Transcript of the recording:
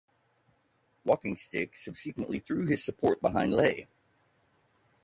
Walkingstick subsequently threw his support behind Lay.